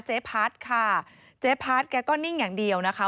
เจ๊พัดค่ะเจ๊พัดแกก็นิ่งอย่างเดียวนะคะ